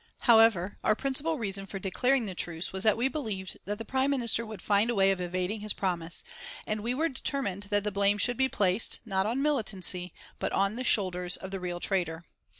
However, our principal reason for declaring the truce was that we believed that the Prime Minister would find a way of evading his promise, and we were determined that the blame should be placed, not on militancy, but on the shoulders of the real traitor.